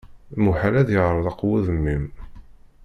Muḥal ad iɛṛeq wudem-im.